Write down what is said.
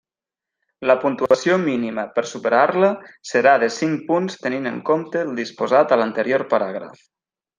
La puntuació mínima per superar-la serà de cinc punts tenint en compte el disposat a l'anterior paràgraf.